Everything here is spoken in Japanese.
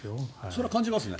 それは感じますね。